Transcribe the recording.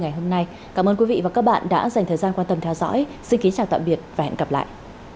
ngày hôm nay cảm ơn quý vị và các bạn đã dành thời gian quan tâm theo dõi xin kính chào tạm biệt và hẹn gặp lại